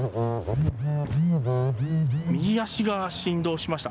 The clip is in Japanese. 右足が振動しました。